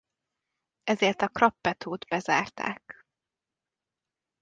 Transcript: Ezért a Krappetót bezárták.